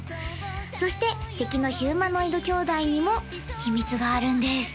そして敵のヒューマノイドきょうだいにも秘密があるんです